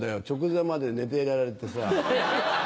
直前まで寝ていられてさ。